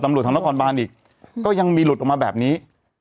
ทำรวจทางละครบ้านอีกก็ยังมีหลุดออกมาแบบนี้